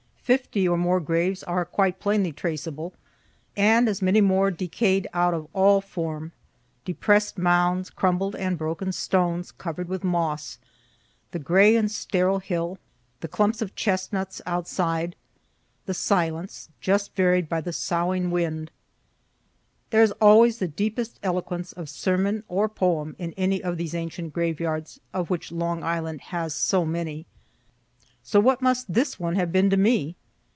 Fifty or more graves are quite plainly traceable, and as many more decay'd out of all form depress'd mounds, crumbled and broken stones, cover'd with moss the gray and sterile hill, the clumps of chestnuts outside, the silence, just varied by the soughing wind. There is always the deepest eloquence of sermon or poem in any of these ancient graveyards of which Long Island has so many; so what must this one have been to me?